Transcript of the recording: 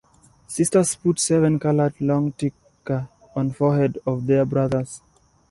Sisters put seven colored long tika on forehead of their brothers.